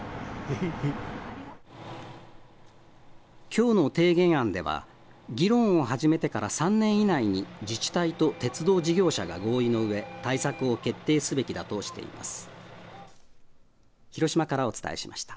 きょうの提言案では議論を始めてから３年以内に自治体と鉄道事業者が合意のうえ対策を決定すべきだとしています。